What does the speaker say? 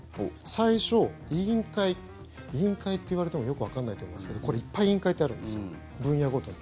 最初、委員会。委員会って言われてもよくわかんないと思いますけどこれ、いっぱい委員会ってあるんですよ、分野ごとに。